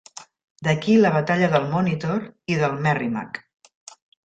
D'aquí la batalla del "Monitor" i del "Merrimack".